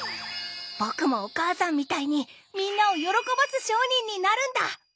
僕もお母さんみたいにみんなを喜ばす商人になるんだ！